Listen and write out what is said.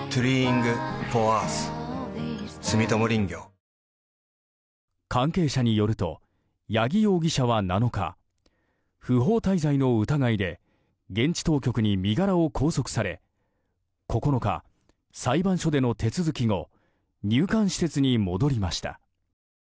ハイクラスカードはダイナースクラブ関係者によると八木容疑者は７日不法滞在の疑いで現地当局に身柄を拘束され９日、裁判所での手続き後入管施設に戻りました。